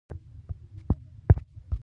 احمد اوس په مغزي خبرې کوي.